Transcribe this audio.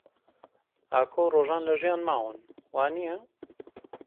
ئاکۆ و ڕۆژان لە ژیان ماون، وانییە؟